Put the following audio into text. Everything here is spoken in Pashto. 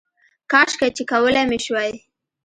کاشکې چې کولی مې شوای